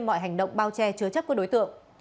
mọi hành động bao che chứa chấp các đối tượng